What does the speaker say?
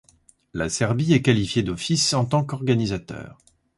La Serbie est qualifiée d'office en tant qu'organisateur.